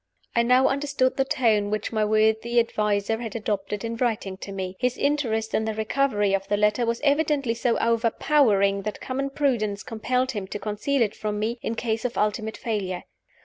I now understood the tone which my worthy adviser had adopted in writing to me. His interest in the recovery of the letter was evidently so overpowering that common prudence compelled him to conceal it from me, in case of ultimate failure.